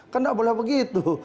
kan tidak boleh begitu